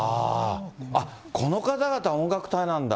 あっ、この方々、音楽隊なんだ。